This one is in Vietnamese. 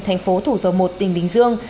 thành phố thủ dầu một tỉnh bình dương